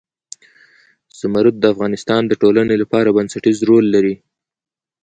زمرد د افغانستان د ټولنې لپاره بنسټيز رول لري.